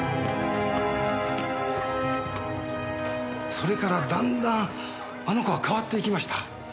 それからだんだんあの子は変わっていきました。